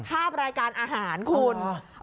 ภาพรายการอาหารคุณ